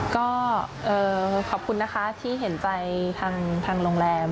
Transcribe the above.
ก็ขอบคุณนะคะที่เห็นใจทางโรงแรม